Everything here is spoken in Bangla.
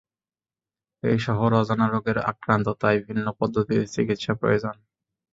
এই শহর অজানা রোগে আক্রান্ত, তাই ভিন্ন পদ্ধতিতে চিকিৎসা প্রয়োজন।